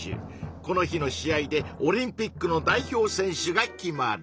この日の試合でオリンピックの代表選手が決まる。